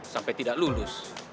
sampai tidak lulus